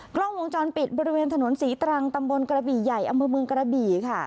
กล้องวงจรปิดบริเวณถนนศรีตรังตำบลกระบี่ใหญ่อำเภอเมืองกระบี่ค่ะ